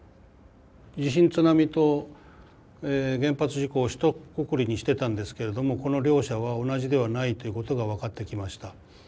地震・津波と原発事故をひとくくりにしてたんですけれどもこの両者は同じではないということが分かってきました。